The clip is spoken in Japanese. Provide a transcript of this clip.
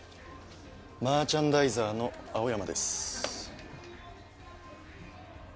マーチャンダイザーの青山です